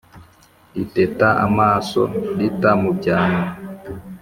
riteta amaso rita mu byano